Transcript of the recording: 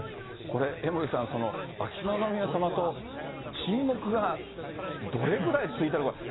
これ、江森さん、秋篠宮さまと沈黙がどれぐらい続いたのか。